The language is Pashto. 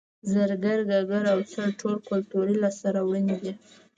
زرګر ګګر او سل ټول کولتوري لاسته راوړنې دي